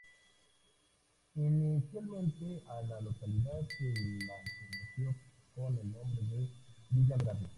Inicialmente, a la localidad se la conoció con el nombre de Villa Andrade.